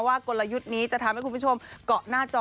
กลยุทธ์นี้จะทำให้คุณผู้ชมเกาะหน้าจอ